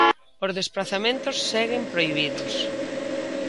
Os desprazamentos seguen prohibidos.